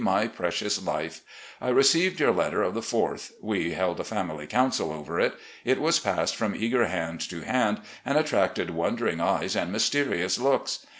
"My Precious Life: I received your letter of the 4th. We held a family council over it. It was passed from eager hand to hand and attracted wondering eyes and mysterious looks.